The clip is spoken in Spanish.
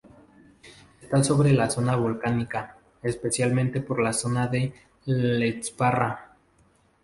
Está sobre una zona volcánica, especialmente, por la zona de L´Esparra.